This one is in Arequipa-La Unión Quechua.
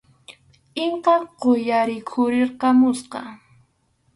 Inka Qulla rikhurirqamusqa.